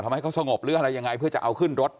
ให้เขาสงบหรืออะไรยังไงเพื่อจะเอาขึ้นรถ